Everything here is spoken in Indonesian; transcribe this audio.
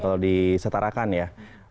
kalau disetarakan ya